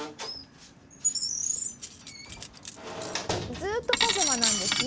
ずっとパジャマなんですね。